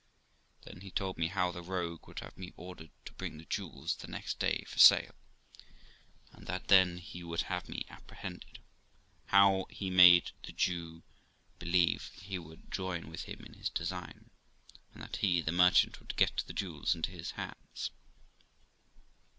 Then he told me how the rogue would have me ordered to bring the jewels the next day for sale, and that then he would have me apprehended; how he had made the Jew believe he would join with him in his design, and that he (the merchant) would get the jewels into his hands.